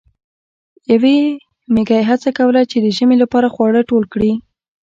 یوې میږی هڅه کوله چې د ژمي لپاره خواړه ټول کړي.